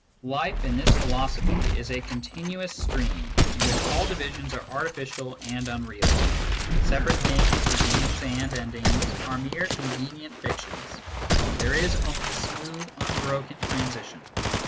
Life, in this philosophy, is a continuous stream, in which all divisions are artificial and unreal. Separate things, beginnings and endings, are mere convenient fictions : there is only smooth unbroken transition.